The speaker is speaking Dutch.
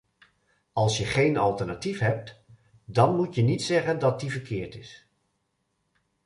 Als je geen alternatief hebt, dan moet je niet zeggen dat die verkeerd is.